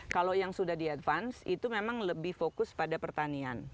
kalau yang sudah di advance itu memang lebih fokus pada pertanian